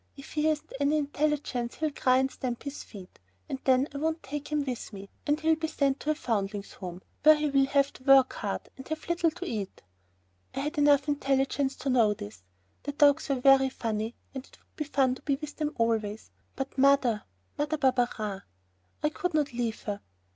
If he hasn't any intelligence he'll cry and stamp his feet, and then I won't take him with me and he'll be sent to the Foundlings' Home, where he'll have to work hard and have little to eat." I had enough intelligence to know this, ... the dogs were very funny, and it would be fun to be with them always, but Mother, Mother Barberin!... I could not leave her!...